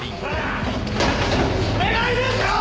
お願いですよ！